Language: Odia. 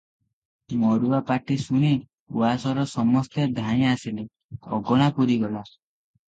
ମରୁଆ ପାଟି ଶୁଣି ଉଆସର ସମସ୍ତେ ଧାଇଁ ଆସିଲେ, ଅଗଣା ପୂରିଗଲା ।